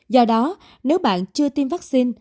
do đó nếu bạn chưa tiêm vaccine